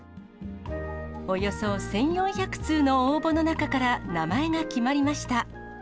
およそ１４００通の応募の中から名前が決まりました。